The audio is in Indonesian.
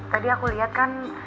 tadi aku liat kan